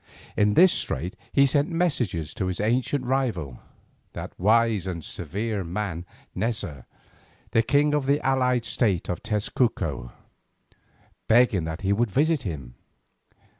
In this strait he sent messengers to his ancient rival, that wise and severe man Neza, the king of the allied state of Tezcuco, begging that he would visit him.